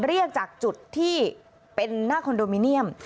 เรียกจากจุดที่เป็นหน้าคอนโดมิเนียม